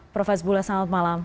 prof hasbullah selamat malam